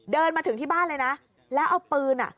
เดินมาถึงที่บ้านเลยนะ